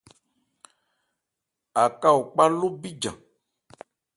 Aká o kpá ló bíjan.